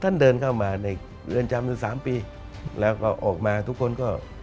ท่านเดินเข้ามาในเวลาจำนึง๓ปีแล้วก็ออกมาทุกคนก็